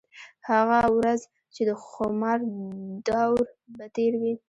هغه ورځ چې د خومار دَور به تېر وي